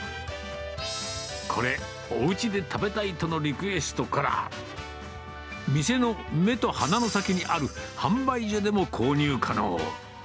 これ、おうちで食べたいとのリクエストから、店の目と鼻の先にある販売所でも購入可能。